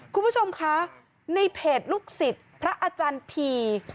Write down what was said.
คุณผู้ชมคะในเพจลูกศิษย์พระอาจารย์ที